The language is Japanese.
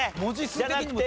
じゃなくて。